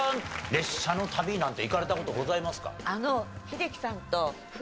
列車の旅なんて行かれた事ございますか？